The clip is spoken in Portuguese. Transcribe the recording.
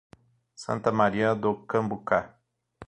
Santa Maria do Cambucá